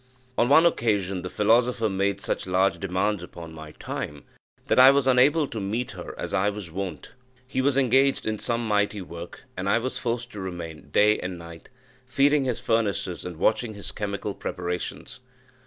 On one occasion, the philosopher made such large demands upon my time, that I was unable to meet her as I was wont. He was engaged in some mighty work, and I was forced to remain, day and night, feeding his furnaces and watching his chemical preparations.